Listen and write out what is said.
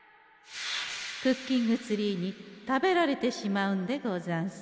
クッキングツリーに食べられてしまうんでござんす。